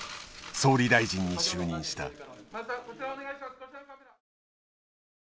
総理大臣に就任した。